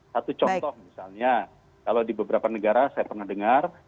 satu contoh misalnya kalau di beberapa negara saya pernah dengar